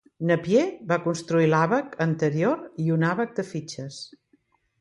Napier va construir l'àbac anterior i un àbac de fitxes.